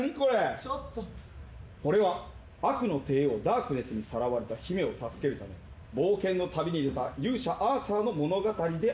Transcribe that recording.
「これは悪の帝王ダークネスにさらわれた姫を助けるため冒険の旅に出た勇者アーサーの物語である」